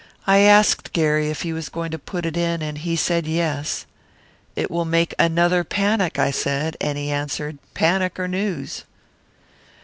"I asked Gary if he was going to put it in, and he said 'Yes.' 'It will make another panic,' I said, and he answered, 'Panics are news.'"